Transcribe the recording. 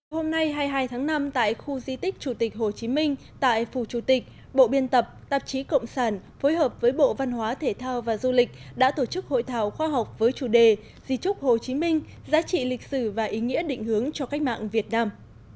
hôm nay hai mươi hai tháng năm tại khu di tích chủ tịch hồ chí minh tại phù chủ tịch bộ biên tập tạp chí cộng sản phối hợp với bộ văn hóa thể thao và du lịch đã tổ chức hội thảo khoa học với chủ đề di trúc hồ chí minh giá trị lịch sử và ý nghĩa định hướng cho cách mạng việt nam